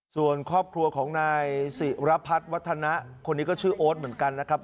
ส่วนครอบครัวของนายศิรพัฒน์วัฒนะคนนี้ก็ชื่อโอ๊ตเหมือนกันนะครับ